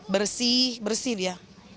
bersih bersih dia